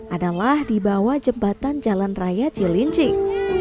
adalah di bawah jembatan jalan raya cilincing